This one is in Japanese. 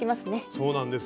そうなんです。